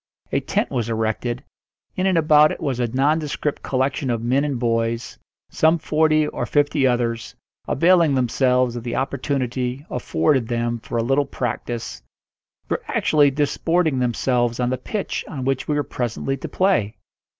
A tent was erected; in and about it was a nondescript collection of men and boys; some forty or fifty others, availing themselves of the opportunity afforded them for a little practice, were actually disporting themselves on the pitch on which we were presently to play.